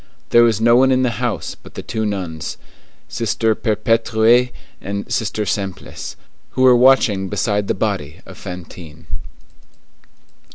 There was no one in the house but the two nuns, Sister Perpétue and Sister Simplice, who were watching beside the body of Fantine.